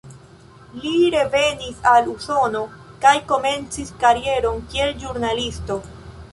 Li revenis al Usono kaj komencis karieron kiel ĵurnalisto.